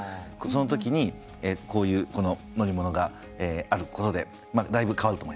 その時にこういうこの乗り物があることでだいぶ変わると思いますね。